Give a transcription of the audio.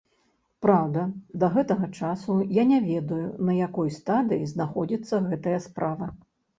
Праўда, да гэтага часу я не ведаю, на якой стадыі знаходзіцца гэтая справа.